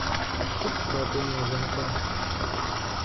Щытт а тӀум я закъуэ.